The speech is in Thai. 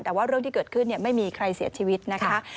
แต่ว่าเรื่องที่เกิดขึ้นไม่มีใครเสียชีวิตนะคะ